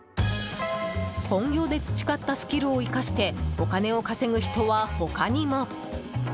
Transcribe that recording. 本業で培ったスキルを生かしてお金を稼ぐ人は他にも。